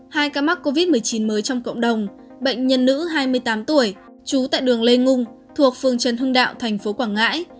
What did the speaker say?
hai ca mắc covid một mươi chín mới trong cộng đồng bệnh nhân nữ hai mươi tám tuổi chú tại đường lê ngung thuộc phường trần hưng đạo tp quảng ngãi